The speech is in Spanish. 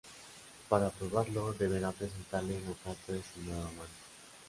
Para probarlo, deberá presentarle una carta de su nueva amante.